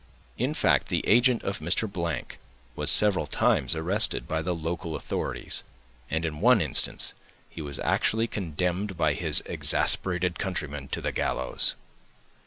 In fact, the agent of Mr. —— was several times arrested by the local authorities; and, in one instance, he was actually condemned by his exasperated countrymen to the gallows.